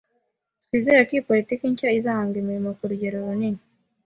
Twizere ko iyi politiki nshya izahanga imirimo ku rugero runini